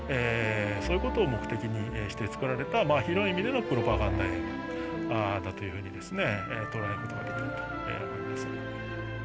そういうことを目的にして作られた広い意味でのプロパガンダ映画だというふうにですね捉えることができると思います。